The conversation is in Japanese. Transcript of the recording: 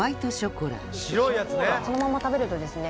そのまま食べるとですね